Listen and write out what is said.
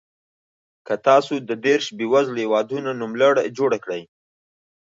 که تاسو د دېرش بېوزلو هېوادونو نوملړ جوړ کړئ.